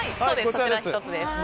こちら１つです。